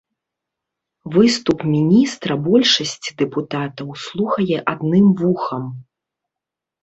Выступ міністра большасць дэпутатаў слухае адным вухам.